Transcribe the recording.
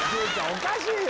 おかしいよ！